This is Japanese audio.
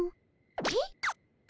えっ？